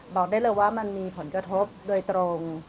บอกได้เลยว่ามันมีผลกระทบโดยตรง